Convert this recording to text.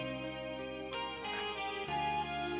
はい。